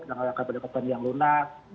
dengan langkah pendekatan yang lunak